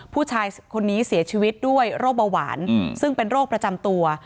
ผู้ชายคนนี้เสียชีวิตด้วยโรคเบาหวานซึ่งเป็นโรคประจำตัว